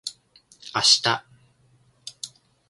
あした